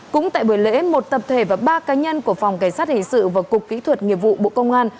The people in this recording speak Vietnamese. cũng tại buổi lễ một tập thể và ba cá nhân của phòng cảnh sát hình sự và cục kỹ thuật nghiệp vụ bộ công an